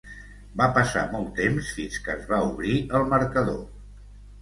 Va passar molt temps fins que es va obrir el marcador.